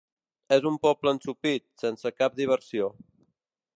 És un poble ensopit, sense cap diversió.